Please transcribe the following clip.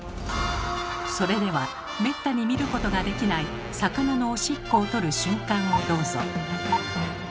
それではめったに見ることができない魚のおしっこをとる瞬間をどうぞ。